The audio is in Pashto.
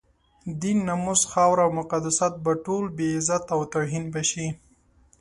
دين، ناموس، خاوره او مقدسات به ټول بې عزته او توهین به شي.